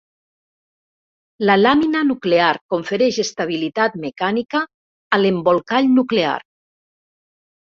La làmina nuclear confereix estabilitat mecànica a l'embolcall nuclear.